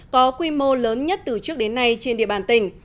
có quy mô lớn nhất từ trước đến nay trên địa bàn tỉnh